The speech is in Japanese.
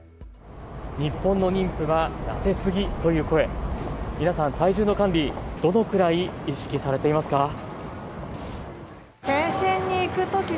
日本の妊婦は痩せすぎという声、皆さん体重の管理、どのくらい意識されていますか。